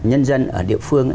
nhân dân ở địa phương á